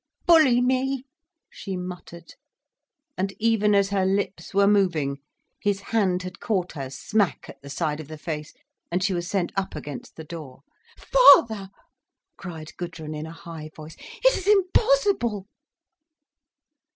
"Bully me," she muttered, and even as her lips were moving, his hand had caught her smack at the side of the face and she was sent up against the door. "Father!" cried Gudrun in a high voice, "it is impossible!"